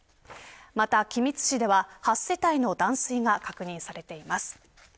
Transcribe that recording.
また、君津市では８世帯の断水が確認されています。